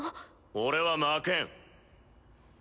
俺は負けん。